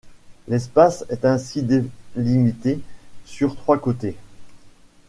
L'espace est ainsi délimité sur trois côtés.